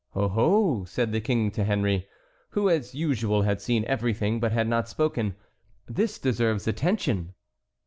"Oh! oh!" said the King to Henry, who as usual had seen everything, but had not spoken, "this deserves attention."